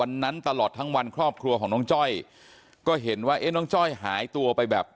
น้องจ้อยนั่งก้มหน้าไม่มีใครรู้ข่าวว่าน้องจ้อยเสียชีวิตไปแล้ว